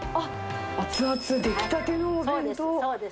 熱々、出来たてのお弁当。